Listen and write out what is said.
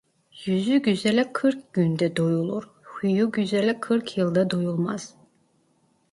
Yüzü güzele kırk günde doyulur; huyu güzele kırk yılda doyulmaz.